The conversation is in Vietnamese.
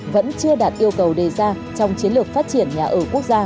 vẫn chưa đạt yêu cầu đề ra trong chiến lược phát triển nhà ở quốc gia